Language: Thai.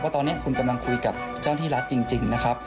ตอนนี้คุณกำลังคุยกับเจ้าหน้าที่รัฐจริงนะครับ